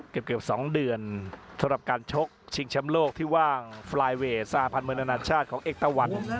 เกือบ๒เดือนสำหรับการชกชิงแชมป์โลกที่ว่างฟลายเวทสหพันธ์เมืองอนาชาติของเอกตะวัน